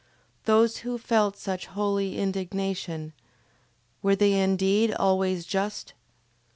Those who felt such holy indignation, were they indeed always just?